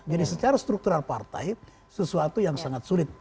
jadi secara struktural partai sesuatu yang sangat sulit